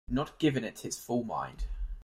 Not giving it his full mind.